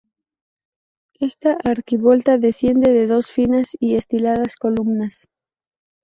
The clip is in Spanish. Esta arquivolta desciende en dos finas y estilizadas columnas.